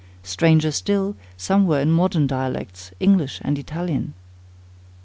Stranger still, some were in modern dialects, English and Italian.